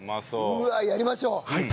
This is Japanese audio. うわあやりましょう！